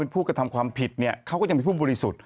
ผู้กระทำความผิดเขาก็ยังมีผู้บริสุทธิ์